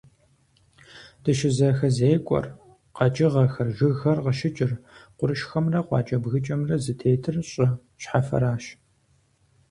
ДыщызэхэзекӀуэр, къэкӀыгъэхэр, жыгхэр къыщыкӀыр, къуршхэмрэ къуакӀэ-бгыкӀэхэмрэ зытетыр щӀы щхьэфэращ.